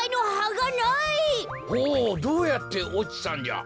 ほうどうやっておちたんじゃ。